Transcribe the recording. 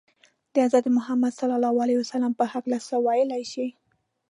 د حضرت محمد ﷺ په هکله څه ویلای شئ؟